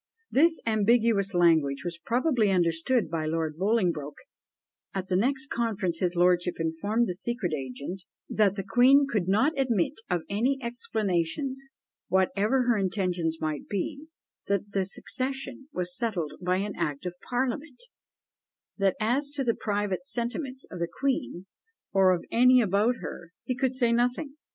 This ambiguous language was probably understood by Lord Bolingbroke: at the next conference his lordship informed the secret agent "that the queen could not admit of any explanations, whatever her intentions might be; that the succession was settled by act of parliament; that as to the private sentiments of the queen, or of any about her, he could say nothing."